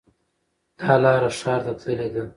دا لاره ښار ته تللې ده